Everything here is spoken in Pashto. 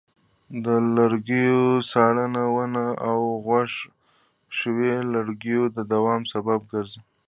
د لرګیو څارنه د ونو او غوڅ شویو لرګیو د دوام سبب کېږي.